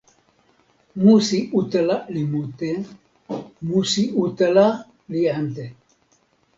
musi utala li mute, musi utala li ante.